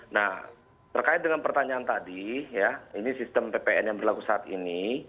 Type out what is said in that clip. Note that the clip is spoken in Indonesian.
nah terkait dengan pertanyaan tadi ya ini sistem ppn yang berlaku saat ini